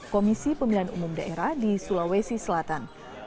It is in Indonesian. komisi pemilihan umum daerah di sulawesi selatan